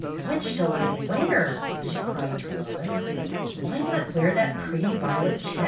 "What shall I wear.'*" she cried to Lois. "Why not wear that pretty violet check?"